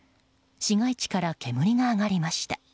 市街地から煙が上がりました。